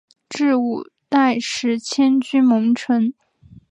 至五代时迁居蒙城。